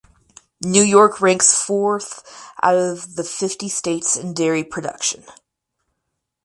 New York ranks forth out of the fifty states in dairy production.